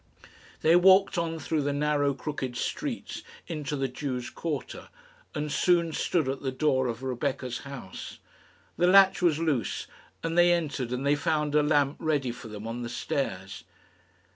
They walked on through the narrow crooked streets into the Jews' quarter, and soon stood at the door of Rebecca's house. The latch was loose, and they entered, and they found a lamp ready for them on the stairs.